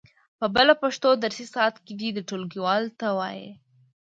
په بل پښتو درسي ساعت کې دې ټولګیوالو ته و وایي.